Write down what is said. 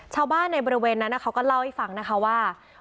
ชาวบ้านในบริเวณนั้นเขาก็เล่าให้ฟังนะคะว่า